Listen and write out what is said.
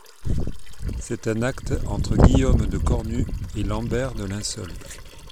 C'est un acte entre Guillaume de Cornut et Lambert de Lincel.